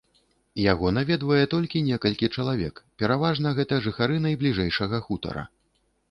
Яго наведвае толькі некалькі чалавек, пераважна гэта жыхары найбліжэйшага хутара.